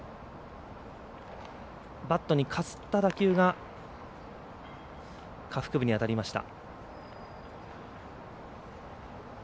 バットにかすった打球が下腹部に当たりました。